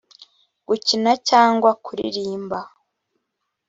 gukina cyangwa kuririmba